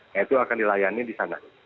nah itu akan dilayani di sana